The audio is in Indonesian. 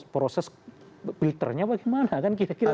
proses filternya bagaimana kan kira kira